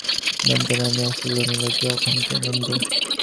নন্দ নামিয়া আসিল, নির্লজ্জ অকুণ্ঠ নন্দ।